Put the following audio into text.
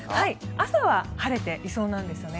朝は晴れていそうなんですよね。